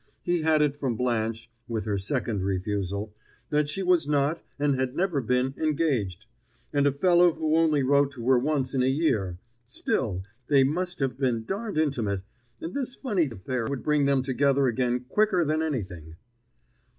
He had it from Blanche (with her second refusal) that she was not, and never had been, engaged. And a fellow who only wrote to her once in a year still, they must have been darned intimate, and this funny affair would bring them together again quicker than anything.